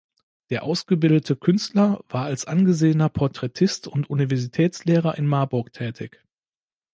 Der ausgebildete Künstler war als angesehener Porträtist und Universitätslehrer in Marburg tätig.